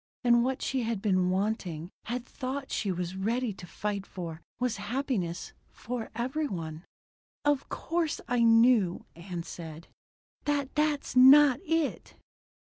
And what she had been wanting had thought she was ready to fight for was happiness for every one. "Of course I know," Ann said, "that that's not it."